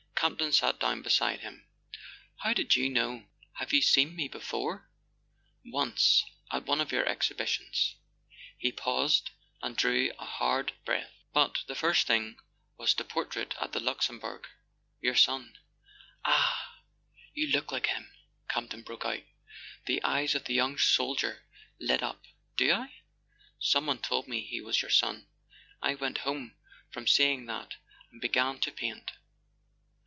Campton sat down beside him. "How did you know ? Have you seen me before ?" "Once—at one of your exhibitions." He paused and drew a hard breath. "But the first thing was the por¬ trait at the Luxembourg ... your son. .." "Ah, you look like him!" Campton broke out. The eyes of the young soldier lit up. "Do I? ... Someone told me he was your son. I went home from seeing that and began to paint.